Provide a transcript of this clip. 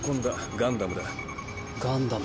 ガンダム。